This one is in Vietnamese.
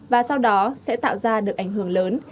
và sau đó sẽ tạo ra được ảnh hưởng lớn